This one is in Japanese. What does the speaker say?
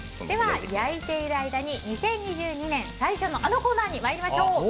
では焼いている間に２０２２年最初のあのコーナーに参りましょう。